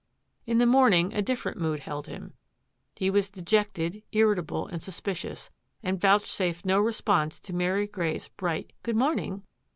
In the morning a different mood held him. He was dejected, irritable, and suspicious, and vouch safed no response to Mary Grey's bright " good morning.'